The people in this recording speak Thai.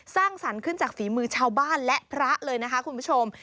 สร้างสรรค์ขึ้นจากฝีมือชาวบ้านและพระเลยนะคะคุณผู้ชม